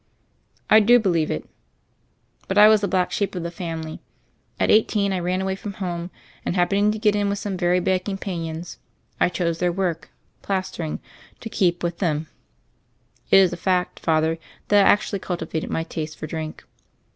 "I do believe it." "But I was the black sheep of the family. THE FAIRY OF THE SNOWS 215 At eighteen I ran away from home, and hap pening to get in with some very bad compan ions, I chose their work — plastering — to keep with them. It is a fact, Father, that I actually cultivated my taste for drink.